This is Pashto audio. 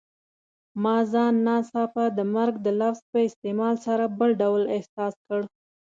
ما ځان ناڅاپه د مرګ د لفظ په استعمال سره بل ډول احساس کړ.